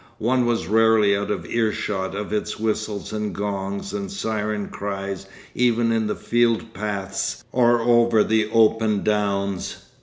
One was rarely out of earshot of its whistles and gongs and siren cries even in the field paths or over the open downs.